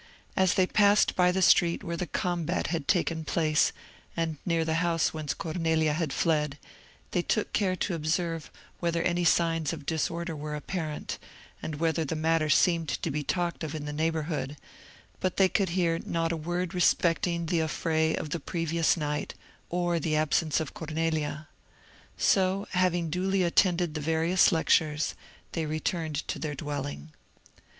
As they passed by the street where the combat had taken place, and near the house whence Cornelia had fled, they took care to observe whether any signs of disorder were apparent, and whether the matter seemed to be talked of in the neighbourhood: but they could hear not a word respecting the affray of the previous night, or the absence of Cornelia. So, having duly attended the various lectures, they returned to their dwelling.